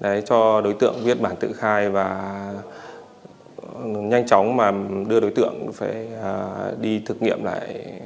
đấy cho đối tượng viết bản tự khai và nhanh chóng mà đưa đối tượng phải đi thực nghiệm lại